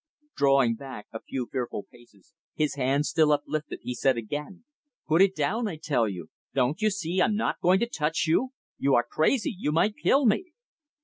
Drawing back a few fearful paces, his hands still uplifted, he said again, "Put it down, I tell you. Don't you see I'm not going to touch you? You are crazy. You might kill me."